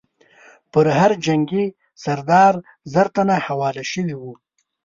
پر هر جنګي سردار زر تنه حواله شوي وو.